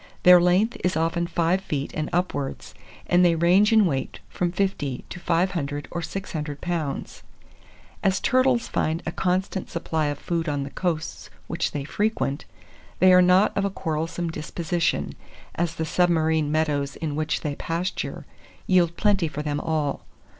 Their length is often five feet and upwards, and they range in weight from 50 to 500 or 600 lbs. As turtles find a constant supply of food on the coasts which they frequent, they are not of a quarrelsome disposition, as the submarine meadows in which they pasture, yield plenty for them all.